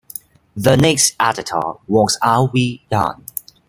The next editor was R. V. Young.